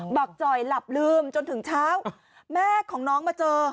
ักจ่อยหลับลืมจนถึงเช้าแม่ของน้องมาเจอ